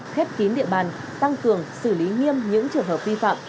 khép kín địa bàn tăng cường xử lý nghiêm những trường hợp vi phạm